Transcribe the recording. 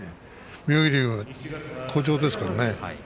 妙義龍、好調ですからね。